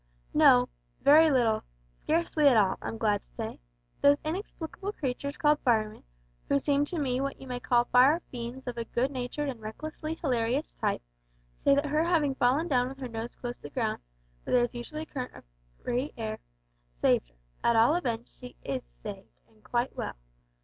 "No, very little scarcely at all, I'm glad to say. Those inexplicable creatures called firemen, who seem to me what you may call fire fiends of a good natured and recklessly hilarious type, say that her having fallen down with her nose close to the ground, where there is usually a free current of air, saved her. At all events she is saved, and quite well."